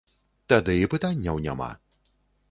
Тады і пытанняў няма.